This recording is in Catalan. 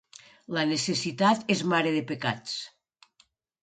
La necessitat és mare de pecats.